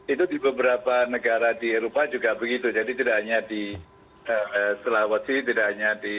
itu di beberapa negara di eropa juga begitu jadi tidak hanya di sulawesi tidak hanya di